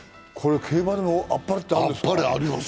競馬でもあっぱれってあるんですか？